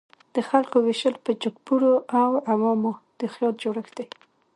د خلکو ویشل په جګپوړو او عوامو د خیال جوړښت دی.